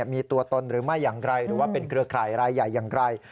มีตัวตนหรือไม่อย่างไรหรือว่าเป็นเครือข่ายรายใหญ่อย่างไร